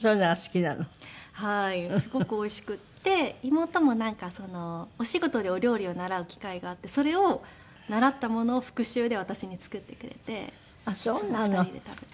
妹もなんかお仕事でお料理を習う機会があってそれを習ったものを復習で私に作ってくれていつも２人で食べて。